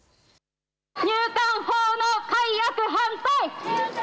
入管法の改悪反対！